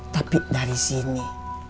tapi dari sini